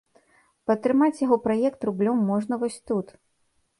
Падтрымаць яго праект рублём можна вось тут.